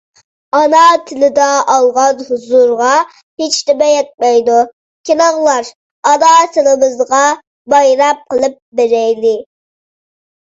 ئانا تىلدا ئالغان ھۇزۇرغا ھېچنېمە يەتمەيدۇ. كېلىڭلار، ئانا تىلىمىزغا بايرام قىلىپ بېرەيلى!